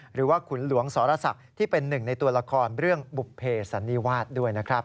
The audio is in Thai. ขุนหลวงสรศักดิ์ที่เป็นหนึ่งในตัวละครเรื่องบุภเพสันนิวาสด้วยนะครับ